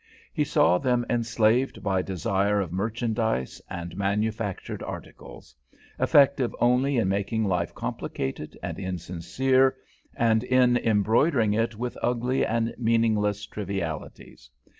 He saw them enslaved by desire of merchandise and manufactured articles, effective only in making life complicated and insincere and in embroidering it with ugly and meaningless trivialities.